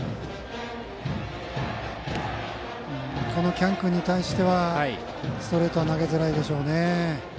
喜屋武君に対してはストレートは投げづらいでしょうね。